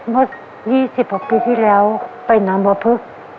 มัน๒๖ปีที่แล้วไปนำวะพึก